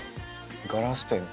ガラスペン。